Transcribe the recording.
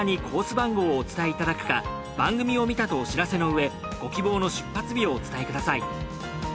番号をお伝えいただくか番組を見たとお知らせのうえご希望の出発日をお伝えください。